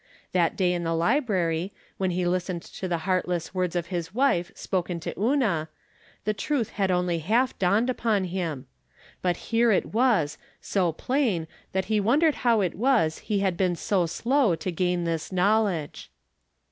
That day in the library, when he listened to the heart less words of his wife spoken to Una, the truth had only half dawned upon hiip. But here it was, so plain that he wondered how it was he had been so slow to gain this knowledge.